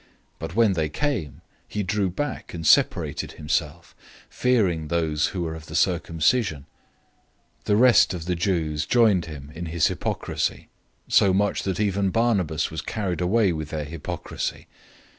But when they came, he drew back and separated himself, fearing those who were of the circumcision. 002:013 And the rest of the Jews joined him in his hypocrisy; so that even Barnabas was carried away with their hypocrisy.